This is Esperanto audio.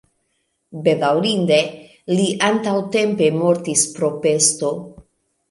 Bedaŭrinde li antaŭtempe mortis pro pesto.